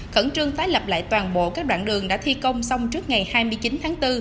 khẩn trương tái lập lại toàn bộ các đoạn đường đã thi công xong trước ngày hai mươi chín tháng bốn